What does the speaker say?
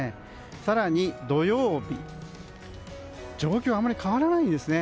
更に、土曜日状況はあまり変わらないですね。